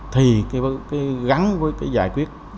thì gắn với giải quyết